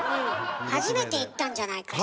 初めて言ったんじゃないかしら。